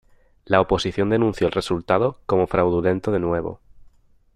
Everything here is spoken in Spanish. La oposición denunció el resultado como fraudulento de nuevo.